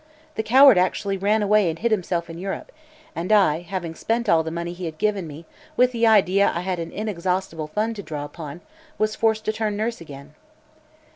The coward actually ran away and hid himself in Europe, and I, having spent all the money he had given me, with the idea I had an inexhaustible fund to draw upon, was forced to turn nurse again.